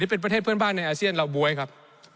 เป็นประเทศเพื่อนบ้านในอาเซียนเราบ๊วยครับ